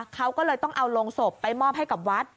เขาก็เลยต้องเอาโรงศพไปมอบให้กับวัด